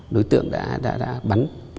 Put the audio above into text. đối tượng đã bắn